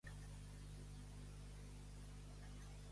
Obrir-se les tavelles.